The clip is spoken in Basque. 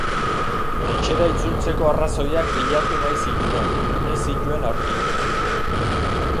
Etxera itzultzeko arrazoiak bilatu nahi zituen, ez zituen aurkitu.